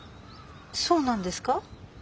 そうなんですか？